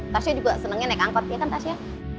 tasya juga senengnya naik angkot ya kan tasya